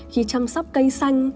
khi chăm sóc cây xanh